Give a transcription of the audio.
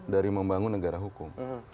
dari membangun negara hukum